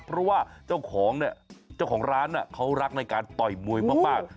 เพราะว่าเจ้าของร้านเขารักในการต่อยมวยมาก